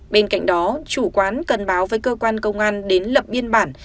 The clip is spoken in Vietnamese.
bên cạnh đó chủ quán cần báo với cơ quan công an đến lập biên bản